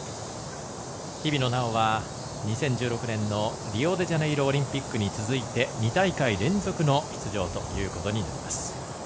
日比野菜緒は、２０１６年のリオデジャネイロオリンピックに続いて２大会連続の出場ということになります。